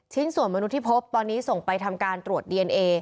ส่วนมนุษย์ที่พบตอนนี้ส่งไปทำการตรวจดีเอนเอ